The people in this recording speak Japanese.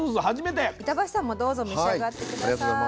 板橋さんもどうぞ召し上がって下さい。